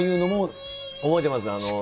覚えてます。